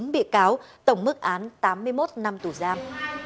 bốn bị cáo tổng mức án tám mươi một năm tù giam